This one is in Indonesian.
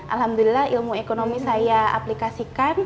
alhamdulillah ilmu ekonomi saya aplikasikan